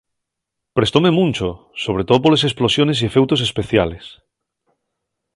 Prestóme muncho, sobre too poles esplosiones y efeutos especiales.